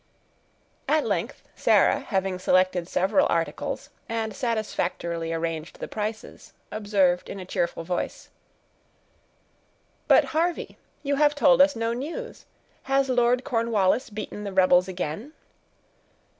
At length, Sarah, having selected several articles, and satisfactorily arranged the prices, observed in a cheerful voice,— "But, Harvey, you have told us no news. Has Lord Cornwallis beaten the rebels again?"